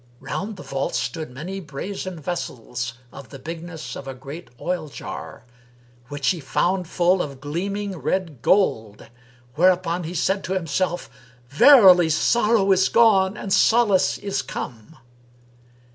Round the vault stood many brazen vessels of the bigness of a great oil jar which he found full of gleaming red gold: whereupon he said to himself, "Verily sorrow is gone and solace is come!"